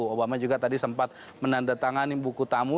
obama juga tadi sempat menandatangani buku tamu